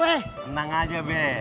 tenang aja be